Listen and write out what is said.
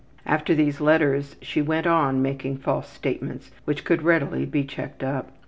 '' After these letters she went on making false statements which could readily be checked up.